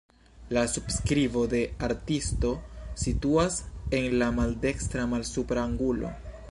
La subskribo de la artisto situas en la maldekstra malsupra angulo.